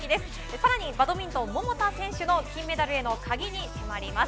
更にバドミントン桃田選手の金メダルの鍵に迫ります。